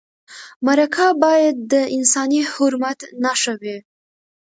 مرکه باید د انساني حرمت نښه وي.